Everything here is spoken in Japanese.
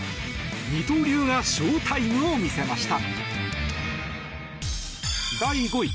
二刀流がショウタイムを見せました。